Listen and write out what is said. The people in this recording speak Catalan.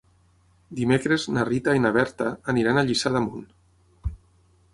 Dimecres na Rita i na Berta aniran a Lliçà d'Amunt.